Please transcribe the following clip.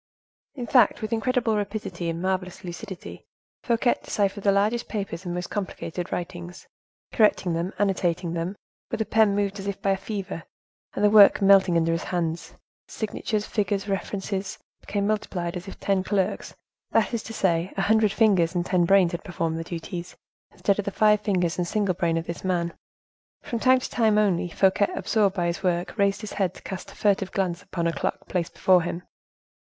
In fact, with incredible rapidity and marvelous lucidity, Fouquet deciphered the largest papers and most complicated writings, correcting them, annotating them with a pen moved as if by a fever, and the work melting under his hands, signatures, figures, references, became multiplied as if ten clerks—that is to say, a hundred fingers and ten brains had performed the duties, instead of the five fingers and single brain of this man. From time to time, only, Fouquet, absorbed by his work, raised his head to cast a furtive glance upon a clock placed before him.